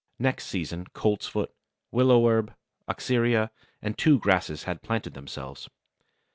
Next season Coltsfoot, willow herb, Oxyria, and two grasses had planted themselves.